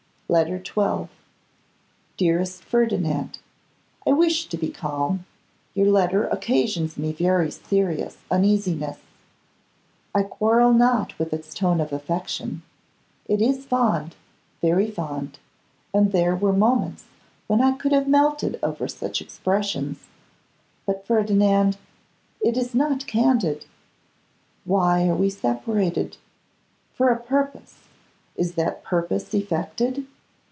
Letter XII. Dearest Ferdinand, I wish to be calm. Your letter occasions me very serious uneasiness. I quarrel not with its tone of affection. It is fond, very fond, and there were moments when I could have melted over such expressions; but, Ferdinand, it is not candid. Why are we separated? For a purpose. Is that purpose effected?